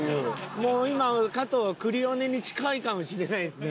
もう今加藤はクリオネに近いかもしれないですね。